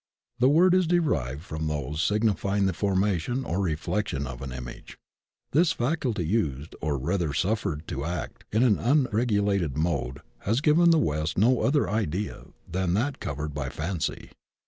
The word is derived from those signifying the formation or reflection of an image. Ttus faculty used, or rather suffered to act, in an unregulated mode has given the West no other idea than that covered by "fancy."